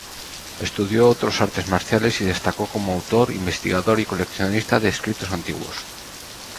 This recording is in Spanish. Estudió otros artes marciales y destacó como autor, investigador y coleccionista de escritos antiguos.